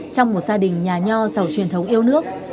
trong một gia đình nhà nho giàu truyền thống yêu nước